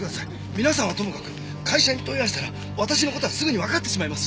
皆さんはともかく会社に問い合わせたら私の事はすぐにわかってしまいます。